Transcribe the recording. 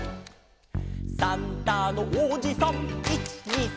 「サンタのおじさん１２３」